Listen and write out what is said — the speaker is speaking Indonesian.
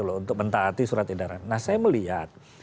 loh untuk mentaati surat edaran nah saya melihat